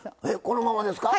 このままですか？